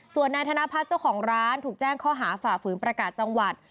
ส่วนนายธนพัฒน์เจ้าของร้านถูกแจ้งข้อหาฝ่าฝืนประกาศจังหวัด